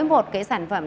mỗi một cái sản phẩm này